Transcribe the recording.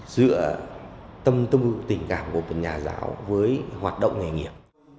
giữa tâm tư tình cảm của một nhà giáo với hoạt động nghề nghiệp